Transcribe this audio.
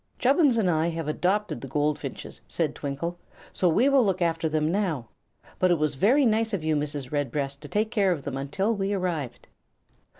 "Chubbins and I have 'dopted the goldfinches," said Twinkle, "so we will look after them now. But it was very nice of you, Mrs. Redbreast, to take take care of them until we arrived."